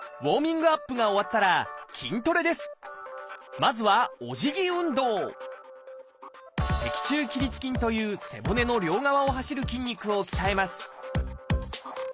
まずは「脊柱起立筋」という背骨の両側を走る筋肉を鍛えます